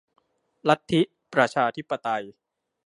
ลัทธิประชาธิปไตย